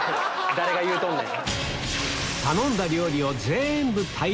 誰が言うとんねん。